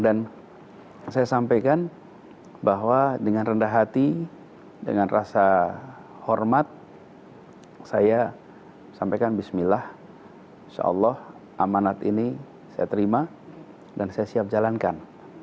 dan saya sampaikan bahwa dengan rendah hati dengan rasa hormat saya sampaikan bismillah insya allah amanat ini saya terima dan saya siap jalankan